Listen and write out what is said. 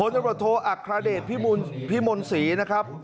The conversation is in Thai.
โทรโทษอัคราเดชพิมนศ์ภูมิศรีนะครับ